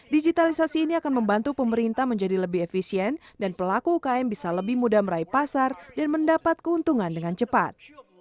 digitalisasi ini akan membantu pemerintah menjadi lebih efisien dan pelaku ukm bisa lebih mudah meraih pasar dan mendapat keuntungan dengan cepat